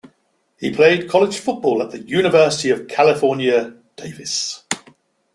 He played college football at the University of California-Davis.